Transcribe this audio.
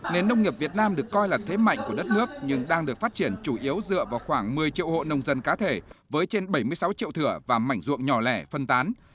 nên nông nghiệp việt nam được coi là thế mạnh của đất nước nhưng đang được phát triển chủ yếu dựa vào khoảng một mươi triệu hộ nông dân cá thể với trên bảy mươi sáu triệu thửa và mảnh ruộng nhỏ lẻ phân tán